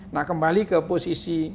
nah kembali ke posisi